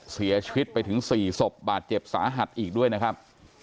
เสียชีวิตไปถึง๔ศพบาดเจ็บสาหัสอีกด้วยนะครับ